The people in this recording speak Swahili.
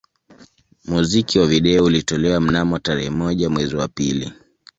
Muziki wa video ulitolewa mnamo tarehe moja mwezi wa pili